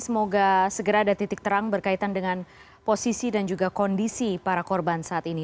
semoga segera ada titik terang berkaitan dengan posisi dan juga kondisi para korban saat ini